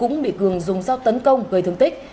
cũng bị cường dùng dao tấn công gây thương tích